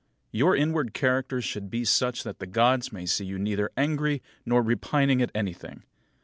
Your inward character should be such that the Gods may see you neither angry nor repining at anything.